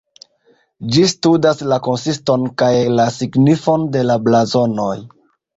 Ĝi studas la konsiston kaj la signifon de la blazonoj.